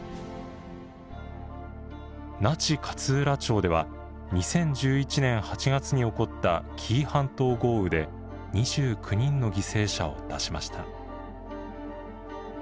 那智勝浦町では２０１１年８月に起こった紀伊半島豪雨で２９人の犠牲者を出しました。